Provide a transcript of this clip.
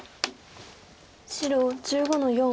白１５の四。